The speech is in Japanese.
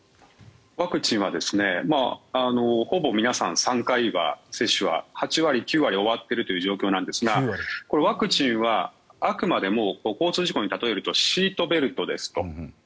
ワクチンはほぼ皆さん３回は接種は８割、９割終わっている状況ですがこれ、ワクチンはあくまでも交通事故に例えるとシートベルトですと。